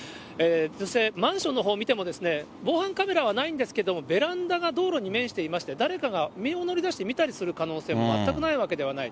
そして、マンションのほうを見ても、防犯カメラはないんですけれども、ベランダが道路に面していまして、誰かが身を乗り出して見たりする可能性も全くないわけではない。